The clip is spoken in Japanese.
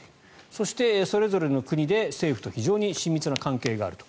そして、それぞれの国で政府と非常に親密な関係があると。